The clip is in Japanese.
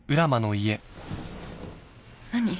何？